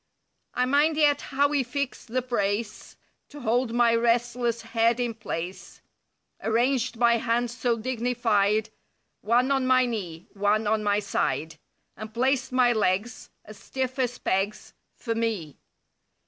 I mind yet how he fixed the brace, To hold my restless head in place, Arranged by hands so dignified; One on my knee, one on my side. And placed my legs. As stiff as pegs— For me.